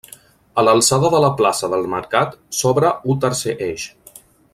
A l'alçada de la plaça del mercat s'obre u tercer eix.